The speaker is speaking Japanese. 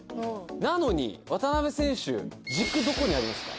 なのに、渡邊選手軸、どこにありますか？